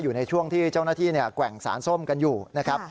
อยู่ในช่วงที่เจ้าหน้าที่แกว่งสารส้มกันอยู่นะครับ